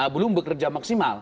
belum bekerja maksimal